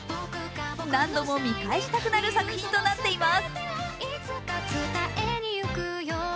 何度も見返したくなる作品となっています。